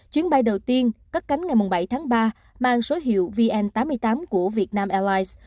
chuyến bay đầu tiên cắt cánh ngày bảy tháng ba mang số hiệu vn tám mươi tám của vietnam allies